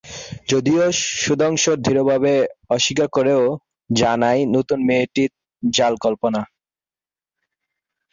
যদিও সুধাংশু দৃঢ়ভাবে অস্বীকার করে ও জানায় নতুন মেয়েটি জাল কল্পনা।